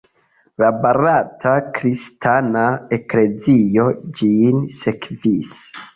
La barata kristana eklezio ĝin sekvis.